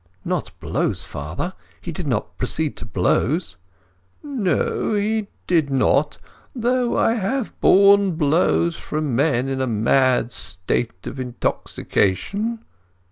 "Not blows, father? He did not proceed to blows?" "No, he did not. Though I have borne blows from men in a mad state of intoxication."